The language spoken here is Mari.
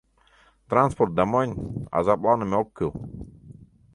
— Транспорт да монь... азапланыме ок кӱл...